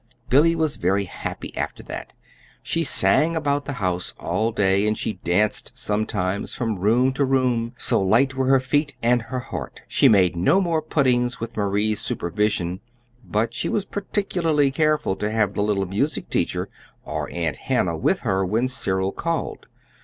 Billy was very happy after that. She sang about the house all day, and she danced sometimes from room to room, so light were her feet and her heart. She made no more puddings with Marie's supervision, but she was particularly careful to have the little music teacher or Aunt Hannah with her when Cyril called.